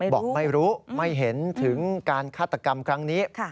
บอกไม่รู้ไม่เห็นถึงการฆาตกรรมครั้งนี้